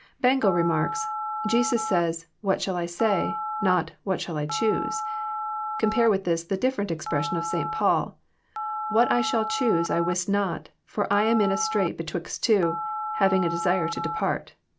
Bengel remarks :" Jesns says, ' What shall I say ?' not, What shall I choose ? Compare with this the different expression of St. Paul, * What I shall choose I wist not, for I am in a strait betwixt two, having a desire to depart.